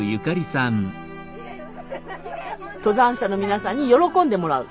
登山者の皆さんに喜んでもらう。